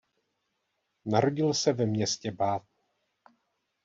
Narodil se ve městě Bath.